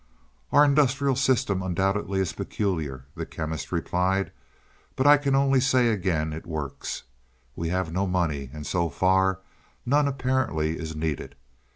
"Our industrial system undoubtedly is peculiar," the Chemist replied, "but I can only say again, it works. We have no money, and, so far, none apparently is needed.